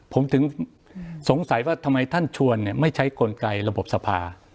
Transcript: ผมถึงสงสัยว่าทำไมท่านชวนไม่ใช้กลไกระบบสภา